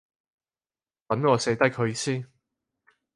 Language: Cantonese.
等我寫低佢先